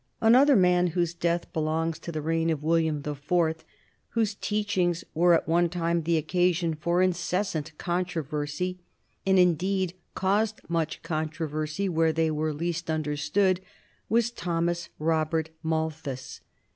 Another man whose death belongs to the reign of William the Fourth, whose teachings were at one time the occasion for incessant controversy and indeed caused most controversy where they were least understood was Thomas Robert Malthus.